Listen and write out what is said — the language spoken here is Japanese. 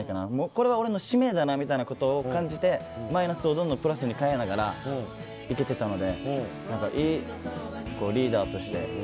これは俺の使命だみたいなことを感じてマイナスをプラスに変えながらいけてたので、リーダーとして。